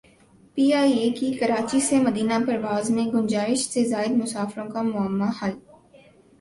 P I A کی کراچی سے مدینہ پرواز میں گنجائش سے زائد مسافروں کا معمہ حل